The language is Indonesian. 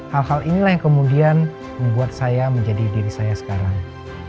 hal hal inilah yang kemudian membuat saya menjadi diri saya sekarang